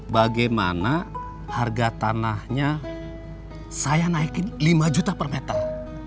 bagaimana harga tanahnya saya naikin lima juta per meter